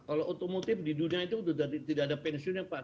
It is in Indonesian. kalau otomotif di dunia itu sudah tidak ada pensiunnya pak